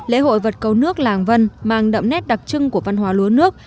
lễ hội vật cầu nước làng vân mang đậm nét đặc trưng của văn hóa lúa nước